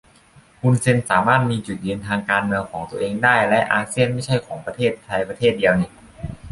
ฮุนเซนสามารถมีจุดยืนทางการเมืองของตัวเองได้ และอาเซียนไม่ใช่ของประเทศไทยประเทศเดียวนิ